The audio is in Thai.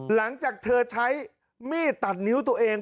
หลังจากเธอใช้มีดตัดนิ้วตัวเอง